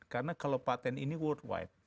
karena kalau patent ini world wide